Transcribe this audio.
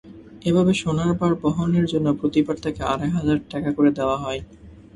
এভাবে সোনার বার বহনের জন্য প্রতিবার তাঁকে আড়াইহাজার টাকা করে দেওয়া হয়।